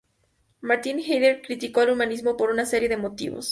Martin Heidegger criticó al humanismo por una serie de motivos.